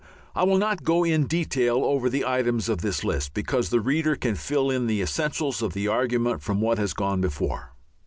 I will not go in detail over the items of this list, because the reader can fill in the essentials of the argument from what has gone before.